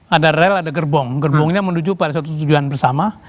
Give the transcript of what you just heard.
ada rel ada gerbong gerbongnya menuju pada satu tujuan bersama